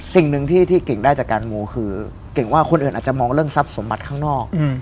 สิ่งหนึ่งที่เก่งได้จากการโมคือเก่งว่าคนอื่นอาจจะมองเรื่องทรัพย์สมบัติข้างนอก